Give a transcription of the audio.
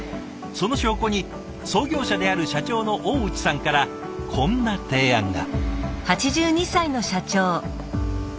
その証拠に創業者である社長の大内さんからこんな提案が。